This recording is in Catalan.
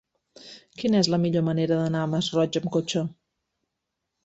Quina és la millor manera d'anar al Masroig amb cotxe?